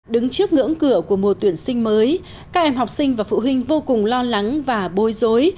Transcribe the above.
đứng trước ngưỡng cửa của mùa tuyển sinh mới các em học sinh và phụ huynh vô cùng lo lắng và bôi dối